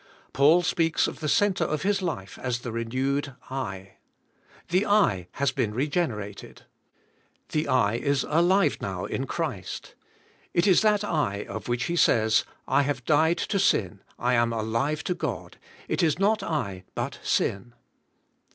Paul speaks of the center of his life as the renewed '*I." The "I" has been regenerated. The I" is alive now in Christ. It is that "I" of which he says: "I have died to sin, I am alive to God. It is not I but sin."